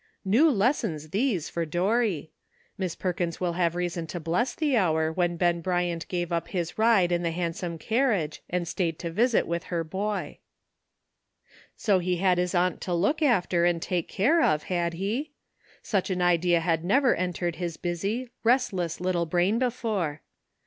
New lessons these for Dorry ! Miss Perkins will have reason to bless the hour when Ben Bryant gave up his ride in the handsome car riage, and staid to visit with her boy. So he had his aunt to look after and take care of, had he ? Such an idea had never en tered his busy, restless little brain before.